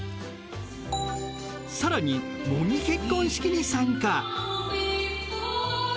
更に模擬結婚式に参加。